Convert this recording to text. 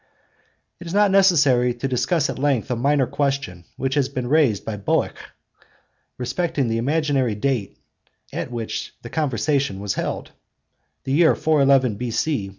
It is not necessary to discuss at length a minor question which has been raised by Boeckh, respecting the imaginary date at which the conversation was held (the year 411 B.C.